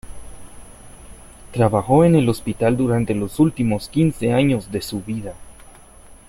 Trabajó en el hospital durante los últimos quince años de su vida.